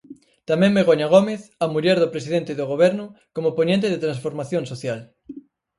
Tamén Begoña Gómez, a muller do presidente do Goberno, como poñente de Transformación Social.